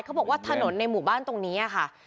เขาบอกว่าถนนในหมู่บ้านตรงนี้ค่ะ